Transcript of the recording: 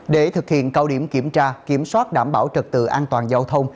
để thực hiện cao điểm kiểm tra kiểm soát đảm bảo trật tự an toàn giao thông